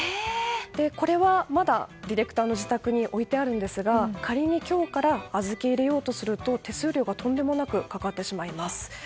これはまだディレクターの自宅に置いてあるんですが仮に今日から預け入れようとすると手数料がとんでもなくかかってしまいます。